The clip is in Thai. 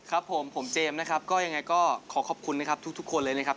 ครับผมผมเจมส์นะครับก็ยังไงก็ขอขอบคุณนะครับทุกคนเลยนะครับ